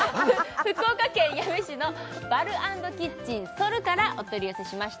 福岡県八女市のバル＆キッチンＳｏＬからお取り寄せしました